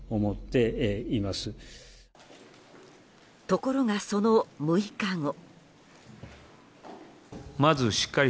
ところが、その６日後。